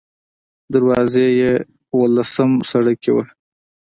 دروازه یې اوولسم سړک کې وه.